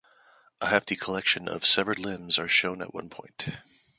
A "hefty collection" of the severed limbs are shown at one point.